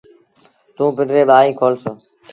توٚنٚ پنڊريٚݩ ٻآهيݩ کولس